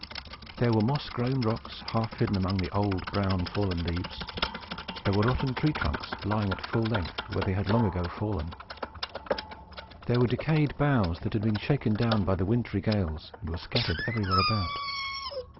There were moss grown rocks, half hidden among the old, brown, fallen leaves; there were rotten tree trunks, lying at full length where they had long ago fallen; there were decayed boughs, that had been shaken down by the wintry gales, and were scattered everywhere about.